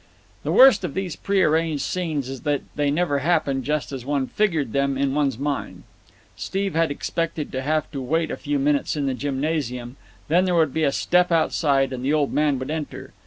The worst of these pre arranged scenes is that they never happen just as one figured them in one's mind. Steve had expected to have to wait a few minutes in the gymnasium, then there would be a step outside and the old man would enter.